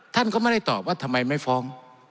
ท่านก็ไม่ได้ตอบว่าทำไมไม่ฟ้อง